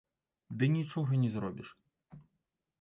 Ды нічога не зробіш.